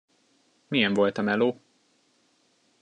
Milyen volt a meló?